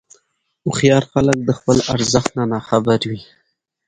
هوښیار خلک د خپل ارزښت نه خبر وي.